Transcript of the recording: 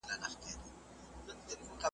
دا وګړي ډېر کړې خدایه خپل بادار ته غزل لیکم .